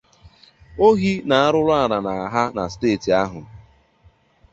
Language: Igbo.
ohi na arụrụ ala agha na steeti ahụ